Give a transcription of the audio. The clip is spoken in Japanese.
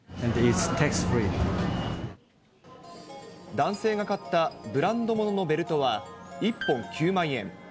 男性が買ったブランド物のベルトは１本９万円。